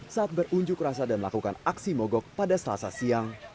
saat berunjuk rasa dan melakukan aksi mogok pada selasa siang